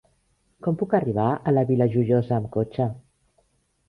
Com puc arribar a la Vila Joiosa amb cotxe?